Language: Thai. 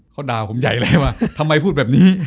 เขาด่าผมใหญ่แล้วว่าทำไมพูดแบบนี้